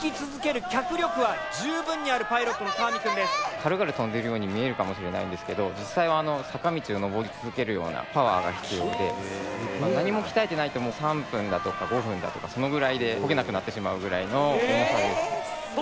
軽々飛んでるように見えるかもしれないんですけど実際は坂道を上り続けるようなパワーが必要で何も鍛えてないと３分だとか５分だとかそのぐらいで漕げなくなってしまうぐらいの重さです。